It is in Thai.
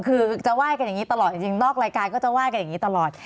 คือจะไหว้กันอย่างนี้ตลอดจริงนอกรายการก็จะไห้กันอย่างนี้ตลอด